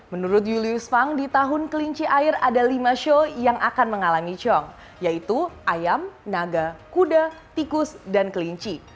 menurut julius fang di tahun kelinci air ada lima show yang akan mengalami cong yaitu ayam naga kuda tikus dan kelinci